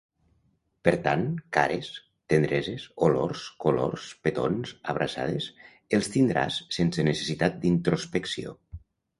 Per tant, cares, tendreses, olors, colors, petons, abraçades, els tindràs sense necessitat d’introspecció.